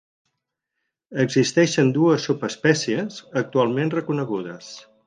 Existeixen dues subespècies actualment reconegudes.